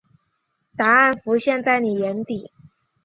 答案浮现在妳眼底